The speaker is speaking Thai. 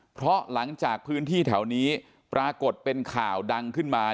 เพราะหลังจากพื้นที่แถวนี้ปรากฏเป็นข่าวดังขึ้นมา